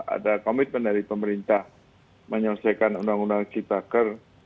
ada komitmen dari pemerintah menyelesaikan undang undang ciptaker